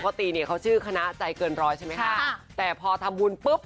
ปกติเนี่ยเขาชื่อคณะใจเกินร้อยใช่ไหมคะแต่พอทำบุญปุ๊บ